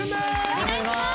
お願いします。